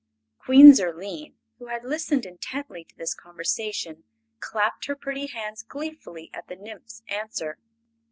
Queen Zurline, who had listened intently to this conversation, clapped her pretty hands gleefully at the nymph's answer.